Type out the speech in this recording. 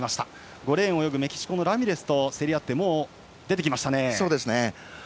５レーンを泳ぐメキシコのラミレスと競り合って、出てきました。